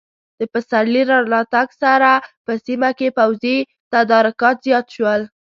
د پسرلي له راتګ سره په سیمه کې پوځي تدارکات زیات شول.